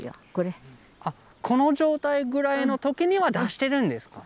この状態ぐらいの時には出してるんですか？